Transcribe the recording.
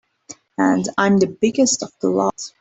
And I'm the biggest of the lot.